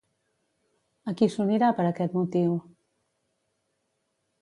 A qui s'unirà per aquest motiu?